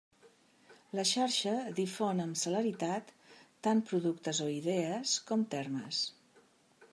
La xarxa difon amb celeritat tant productes o idees, com termes.